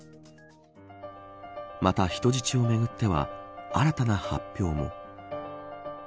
また、人質をめぐっては新たな発表も。